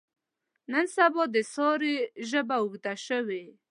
نن سبا د سارې ژبه اوږده شوې.